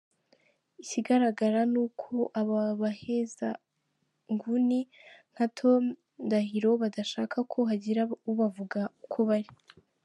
Ikigaragara ni uko aba bahezanguni nka Tom Ndahiro badashaka ko hagira ubavuga uko bari.